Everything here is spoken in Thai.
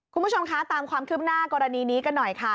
คุณผู้ชมคะตามความคืบหน้ากรณีนี้กันหน่อยค่ะ